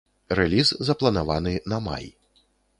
Рэліз запланаваны на май.